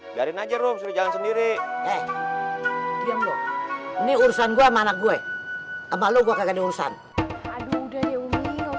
hai dari najib sejalan sendiri nih urusan gua anak gue sama lu gua kayak diurusan aduh udah ya umi